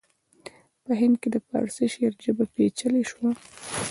په هند کې د پارسي شعر ژبه پیچلې شوه